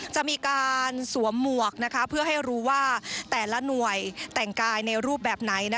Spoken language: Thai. จะมีการสวมหมวกเพื่อให้รู้ว่าแต่ละหน่วยแต่งกายในรูปแบบไหน